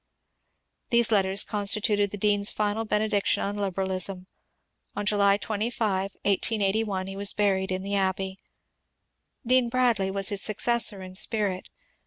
These letters constituted the dean's final benediction on Liberalism : on July 25, 1881, he was buried in the Abbey. Dean Bradley was his successor in spirit.